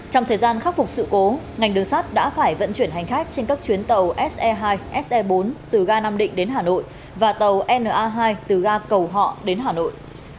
trong thời gian khắc phục sự cố ngành đường sắt đã phải vận chuyển hành khách trên các chuyến tàu se hai se bốn từ ga nam định đến hà nội và tàu na hai từ ga cầu họ đến hà nội